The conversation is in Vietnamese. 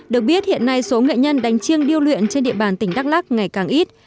được biết hiện nay số nghệ nhân đánh chiêng điêu luyện trên địa bàn tỉnh đắk lắc ngày càng ít